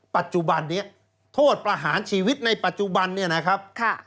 ปัจจุบันนี้โทษประหารชีวิตในปัจจุบันเนี่ยนะครับ